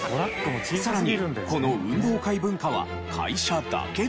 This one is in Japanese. さらにこの運動会文化は会社だけでなく。